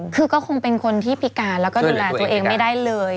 คือก็คงเป็นคนที่พิการแล้วก็ดูแลตัวเองไม่ได้เลย